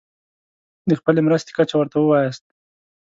د خپلې مرستې کچه ورته ووایاست.